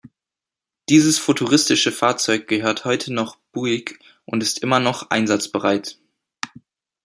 Dieses futuristische Fahrzeug gehört heute noch Buick und ist immer noch einsatzbereit.